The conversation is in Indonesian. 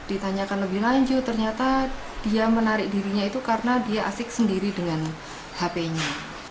ditanyakan lebih lanjut ternyata dia menarik dirinya itu karena dia asik sendiri dengan hp nya